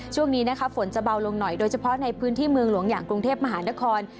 ช่วงนี้นะคะฝนจะเบาลงหน่อยโดยเฉพาะในพื้นที่เมืองหลวงอย่างกรุงเทพมหานคร